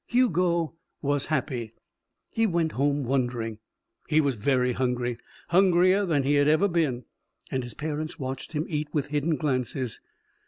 Hugo was happy. He went home wondering. He was very hungry hungrier than he had ever been and his parents watched him eat with hidden glances.